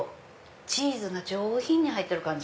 チーズが上品に入ってる感じ。